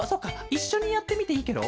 いっしょにやってみていいケロ？